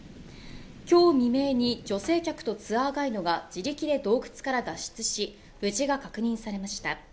今日未明に女性客とツアーガイドが自力で洞窟から脱出し無事が確認されました